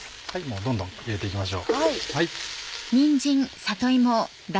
どんどん入れていきましょう。